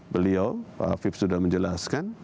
beliau pak hafib sudah menjelaskan